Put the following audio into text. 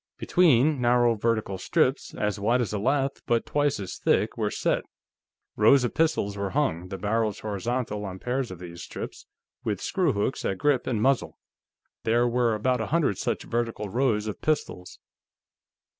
Between, narrow vertical strips, as wide as a lath but twice as thick, were set. Rows of pistols were hung, the barrels horizontal, on pairs of these strips, with screwhooks at grip and muzzle. There were about a hundred such vertical rows of pistols.